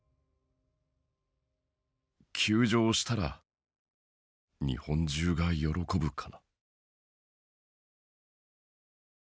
「休場したら日本中が喜ぶかな？」。